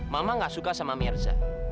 mama gak suka sama mirza